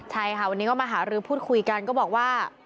ใช่ค่ะวันนี้ก็มาหารือพูดคุยกันก็บอกว่า